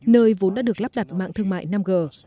nơi vốn đã được lắp đặt mạng thương mại năm g